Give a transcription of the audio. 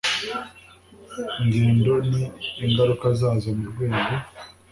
ngendo n ingaruka zazo mu rwego